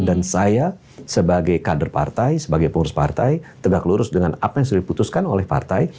dan saya sebagai kader partai sebagai pengurus partai tegak lurus dengan apa yang sudah diputuskan oleh partai